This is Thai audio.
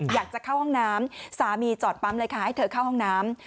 อยากจะเข้าห้องน้ำสามีจอดปั๊มเลยค่ะให้เธอเข้าห้องน้ำ